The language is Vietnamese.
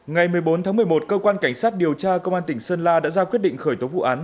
ngày một mươi bốn tháng một mươi một cơ quan cảnh sát điều tra công an tỉnh sơn la đã ra quyết định khởi tố vụ án